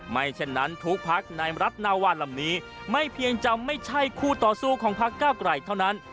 เช่นนั้นทุกพักในรัฐนาวาลำนี้ไม่เพียงจำไม่ใช่คู่ต่อสู้ของพักเก้าไกลเท่านั้น